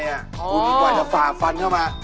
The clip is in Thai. คุณกว่าจะฝ่าฟันเข้ามา